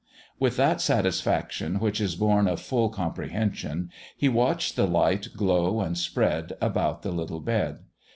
With that satisfaction which is born of full comprehension, he watched the light glow and spread about the little bed.